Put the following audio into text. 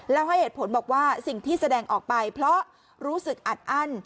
แล้วให้เหตุผลบอกว่าสิ่งที่แสดงออกไปเพราะรู้สึกอัดอั้น